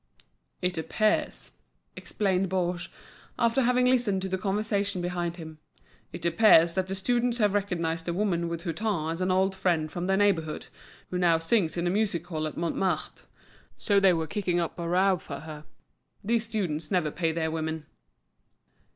"It appears," explained Baugé, after having listened to the conversation behind him, "it appears that the students have recognised the woman with Hutin as an old friend from their neighbourhood, who now sings in a music hall at Montmartre. So they were kicking up a row for her. These students never pay their women."